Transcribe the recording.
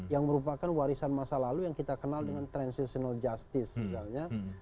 yang merupakan warisan masa lalu yang kita kenal dengan transitional justice misalnya